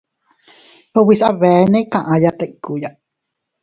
Ubise abeene kaʼaya tikkuya.